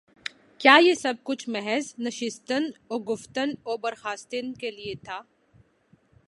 کیا یہ سب کچھ محض نشستن و گفتن و برخاستن کے لیے تھا؟